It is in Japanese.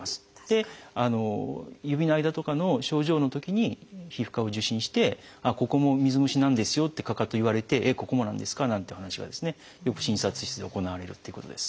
指の間とかの症状のときに皮膚科を受診して「ここも水虫なんですよ」ってかかと言われて「えっ？ここもなんですか？」なんていう話はよく診察室で行われるっていうことです。